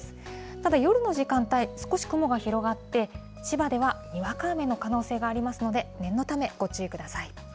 ただ、夜の時間帯、少し雲が広がって、千葉ではにわか雨の可能性がありますので、念のため、ご注意ください。